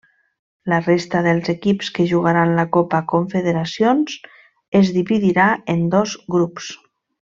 La resta dels equips que jugaran la Copa Confederacions es dividirà en dos grups.